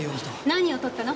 何を盗ったの？